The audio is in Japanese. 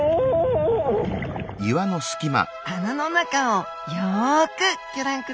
穴の中をよくギョ覧ください。